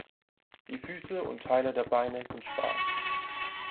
Die Füße und Teile der Beine sind schwarz.